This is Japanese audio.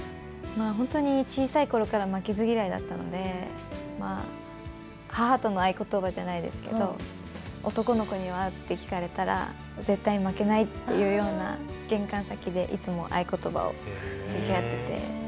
本当に小さいころから負けず嫌いだったので、母との合言葉じゃないですけど男の子には？って聞かれたら、絶対負けないっていうような玄関先でいつも合言葉をやって。